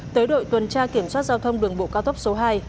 tới đội tuần tra kiểm soát giao thông đường bộ cao tốc số hai